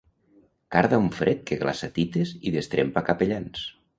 Carda un fred que glaça tites i destrempa capellans.